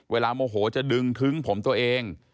โมโหจะดึงทึ้งผมตัวเอง